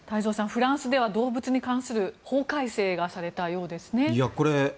フランスでは動物に関する法改正がされたようですね。